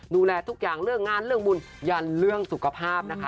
ดูแลทุกอย่างเรื่องงานเรื่องบุญยันเรื่องสุขภาพนะคะ